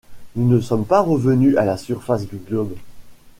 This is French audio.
Nous ne sommes pas revenus à la surface du globe?